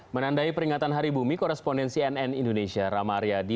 menandai peringatan hari bumi korespondensi nn indonesia ramariyadi